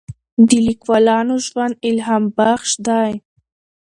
د لیکوالانو ژوند الهام بخش دی.